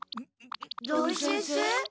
土井先生？